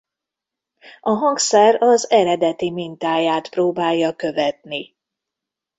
A hangszer az eredeti mintáját próbálja követni.